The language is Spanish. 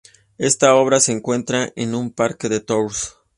Ésta obra se encuentra en un parque de Tours.